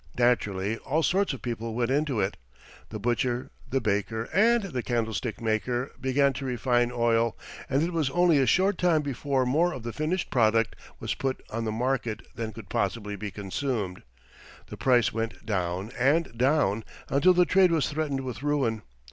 Naturally, all sorts of people went into it: the butcher, the baker, and the candlestick maker began to refine oil, and it was only a short time before more of the finished product was put on the market than could possibly be consumed. The price went down and down until the trade was threatened with ruin.